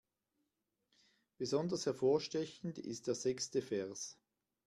Besonders hervorstechend ist der sechste Vers.